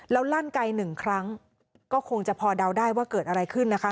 แล้วลั่นไกลหนึ่งครั้งก็คงจะพอเดาได้ว่าเกิดอะไรขึ้นนะคะ